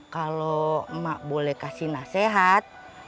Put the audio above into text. kalau emak boleh kasih nasihat